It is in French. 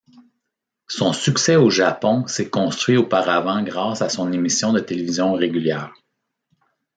Son succès au Japon s'est construit auparavant grâce à son émission de télévision régulière.